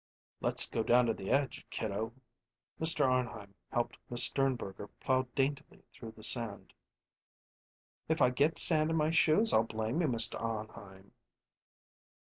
"Let's go down to the edge, kiddo." Mr. Arnheim helped Miss Sternberger plow daintily through the sand. "If I get sand in my shoes I'll blame you, Mr. Arnheim."